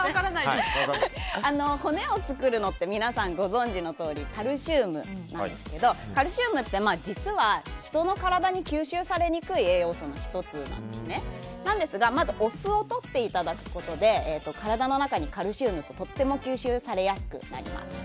骨を作るのって皆さんご存じのとおりカルシウムなんですがカルシウムって実は人の体に吸収されにくい栄養素の１つなんですがお酢をとっていただくことで体の中にカルシウムってとても吸収されやすくなります。